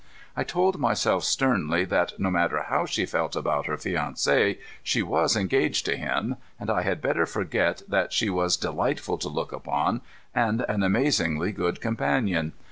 I told myself sternly that, no matter how she felt about her fiancé, she was engaged to him, and I had better forget that she was delightful to look upon and an amazingly good companion.